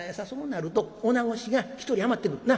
そうなると女中が１人余ってくる。